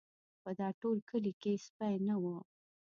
په دا ټول کلي کې سپی نه و.